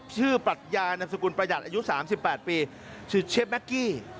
ปรัชญานามสกุลประหยัดอายุ๓๘ปีชื่อเชฟแก๊กกี้